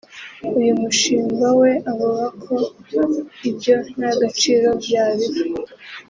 uyu mushimba we avuga ko ibyo nta gaciro yabiha